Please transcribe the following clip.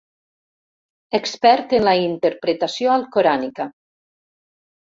Expert en la interpretació alcorànica.